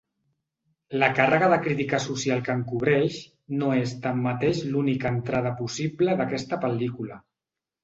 La càrrega de crítica social que encobreix no és tanmateix l'única entrada possible d'aquesta pel·lícula.